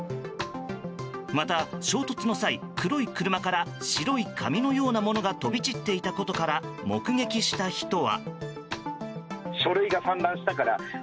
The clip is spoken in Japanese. また衝突の際、黒い車から白い紙のようなものが飛び散っていたことから目撃した人は。